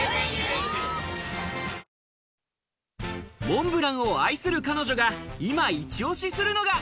モンブランを愛する彼女が今イチ押しするのが。